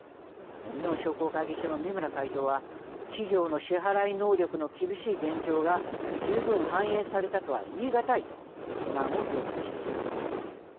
日本商工会議所の三村会頭は企業の支払い能力の厳しい現状が十分、反映されたとは言い難いと不満を表明しています。